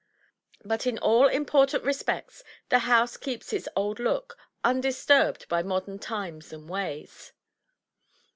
But in all important respects the house keeps its old look, undisturbed by modem times and ways.